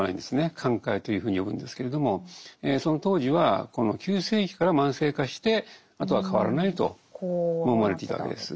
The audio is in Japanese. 寛解というふうに呼ぶんですけれどもその当時はこの急性期から慢性化してあとは変わらないと思われていたわけです。